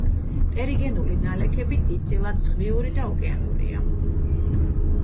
ტერიგენული ნალექები დიდწილად ზღვიური და ოკეანურია.